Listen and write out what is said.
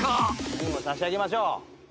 旬を差し上げましょう。